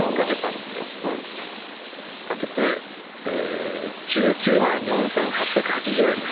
賭けて１９万４８８０円です。